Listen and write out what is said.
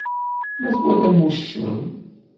Ma twalam uccen.